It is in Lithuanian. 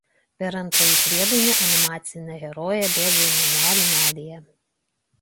Per antrąjį priedainį animacinė herojė bėga į namelį medyje.